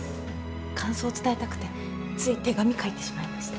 感想伝えたくてつい手紙書いてしまいました。